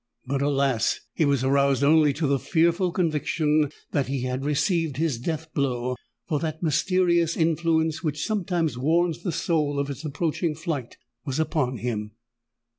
But, alas! he was aroused only to the fearful conviction that he had received his death blow; for that mysterious influence which sometimes warns the soul of its approaching flight, was upon him!